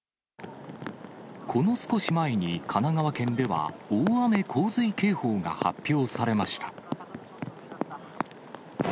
この少し前に、神奈川県では大雨洪水警報が発表されました。